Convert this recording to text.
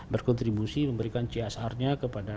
berkontribusi memberikan csr nya